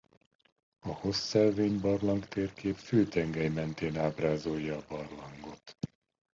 A hossz-szelvény barlangtérkép főtengely mentén ábrázolja a barlangot.